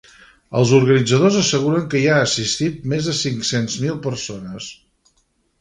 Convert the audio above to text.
Els organitzadors asseguren que hi han assistit més de cinc-cents mil persones.